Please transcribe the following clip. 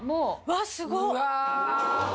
わっすごっ！